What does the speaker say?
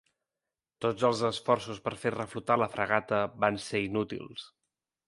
Tots els esforços per fer reflotar la fragata van ser inútils.